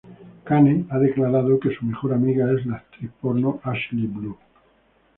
Kane ha declarado que su mejor amiga es la actriz porno Ashley Blue.